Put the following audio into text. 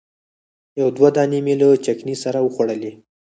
یو دوه دانې مې له چکني سره وخوړلې.